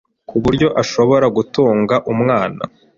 ku buryo ashobora gutunga umwana